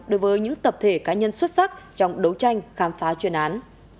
đối với những tập thể cá nhân xuất sắc trong đấu tranh khám phá chuyên án